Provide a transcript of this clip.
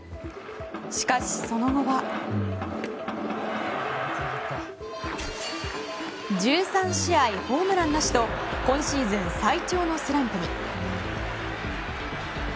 しかし、その後は１３試合ホームランなしと今シーズン最長のスランプに。